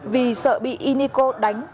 vì sợ bị y niko đánh